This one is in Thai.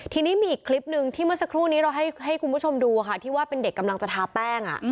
ทีนี้มีอีกคลิปหนึ่งที่เมื่อสักครู่นี้เราให้คุณผู้ชมดูค่ะที่ว่าเป็นเด็กกำลังจะทาแป้ง